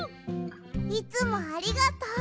いつもありがとう！